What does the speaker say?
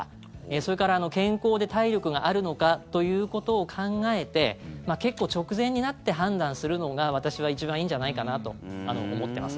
それから、健康で体力があるのかということを考えて結構、直前になって判断するのが私は一番いいんじゃないかなと思ってます。